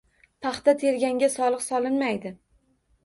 Paxta terganga soliq solinmaydi?